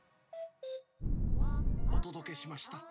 お届けしました。